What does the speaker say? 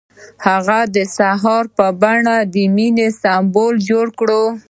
هغه د سهار په بڼه د مینې سمبول جوړ کړ.